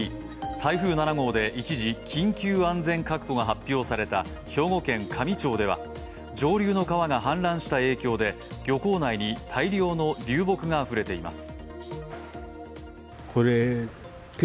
台風７号で一時、緊急安全確保が発表された兵庫県香美町では上流の川が氾濫した影響で漁港内に大量の流木があふれています。